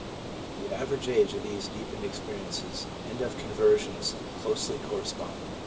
The average age of these deepened experiences and of conversions closely correspond.